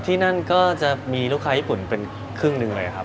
ที่นั่นก็จะมีลูกค้าญี่ปุ่นเป็นครึ่งหนึ่งเลยครับ